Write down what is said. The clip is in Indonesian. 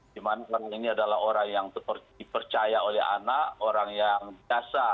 dimana orang ini adalah orang yang dipercaya oleh anak orang yang biasa